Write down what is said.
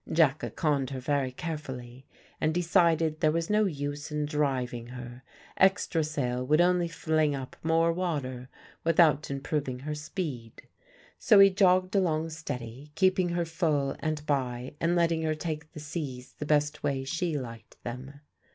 Jacka conned her very careful, and decided there was no use in driving her; extra sail would only fling up more water without improving her speed. So he jogged along steady, keeping her full and by, and letting her take the seas the best way she liked them.